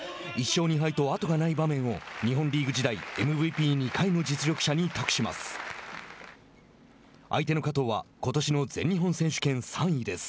１勝２敗と後がない場面を日本リーグ時代、ＭＶＰ２回の実力者に託します。